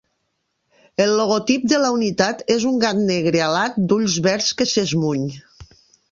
El logotip de la unitat és un gat negre alat d'ulls verds que s'esmuny.